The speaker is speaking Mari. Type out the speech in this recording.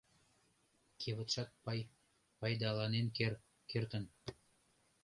— Кевытшат пай... пайдаланен кер... кертын.